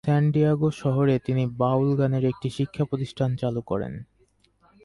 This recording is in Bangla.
স্যান ডিয়েগো শহরে তিনি বাউল গানের একটি শিক্ষাপ্রতিষ্ঠান চালু করেন।